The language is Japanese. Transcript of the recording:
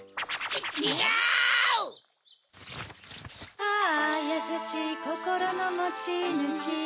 ちがう！ああやさしいこころのもちぬし